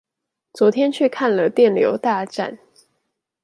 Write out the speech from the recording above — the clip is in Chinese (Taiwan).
昨天去看了電流大戰